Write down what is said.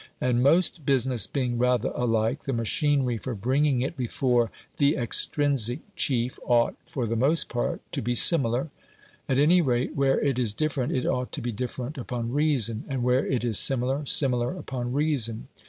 And most business being rather alike, the machinery for bringing it before the extrinsic chief ought, for the most part, to be similar: at any rate, where it is different, it ought to be different upon reason; and where it is similar, similar upon reason.